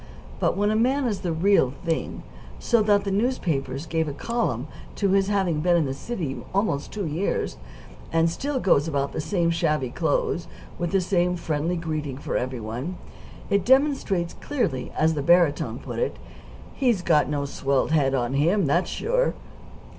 But when a man is the real thing, so that the newspapers give a column to his having been in the city almost two years, and still goes about in the same shabby clothes, with the same friendly greeting for every one, it demonstrates clearly, as the barytone put it, that "he's got no swelled head on him; that's sure."